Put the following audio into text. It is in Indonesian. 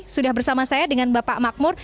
sudah bersama saya dengan bapak makmur